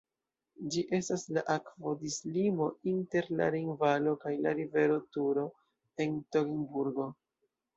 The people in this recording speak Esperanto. Ĝi estas la akvodislimo inter la Rejnvalo kaj la rivero Turo en Togenburgo.